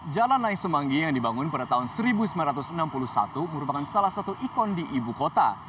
jalan naik semanggi yang dibangun pada tahun seribu sembilan ratus enam puluh satu merupakan salah satu ikon di ibu kota